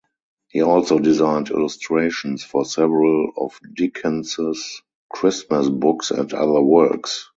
He also designed illustrations for several of Dickens's Christmas books and other works.